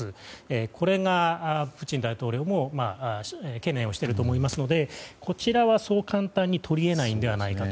これがプーチン大統領も懸念をしていると思いますのでこちらはそう簡単にとり得ないのではないかなと。